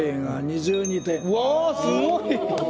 うわすごい！